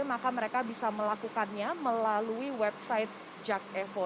maka mereka bisa melakukannya melalui website jakevo